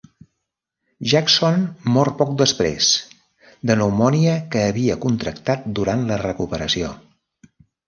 Jackson mor poc després, de pneumònia que havia contractat durant la recuperació.